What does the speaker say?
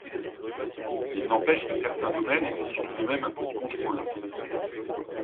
Il n’empêche que certains domaines exigent tout de même un peu de contrôle.